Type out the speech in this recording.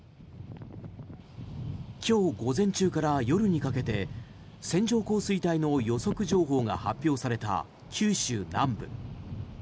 今日午前中から夜にかけて線状降水帯予測情報が発表された九州南部。